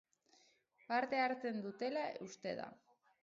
Parte hartzen dutela uste da.